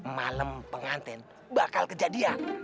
malem pengantin bakal kejadian